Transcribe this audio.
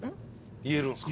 言えるの。